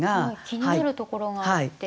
気になるところがあって。